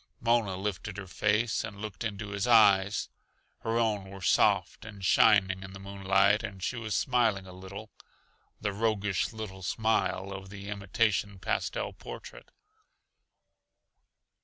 Mona lifted her face and looked into his eyes. Her own were soft and shining in the moonlight, and she was smiling a little the roguish little smile of the imitation pastel portrait.